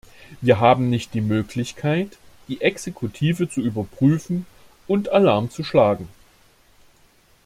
Wir haben nicht die Möglichkeit, die Exekutive zu überprüfen und Alarm zu schlagen.